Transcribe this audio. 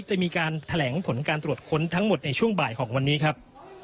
จะมีการแถลงผลการตรวจค้นทั้งหมดในช่วงบ่ายของวันนี้ครับ